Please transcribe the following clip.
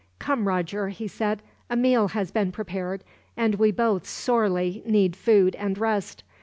"Come, Roger," he said; "a meal has been prepared, and we both sorely need food and rest.